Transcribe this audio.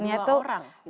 ada dua orang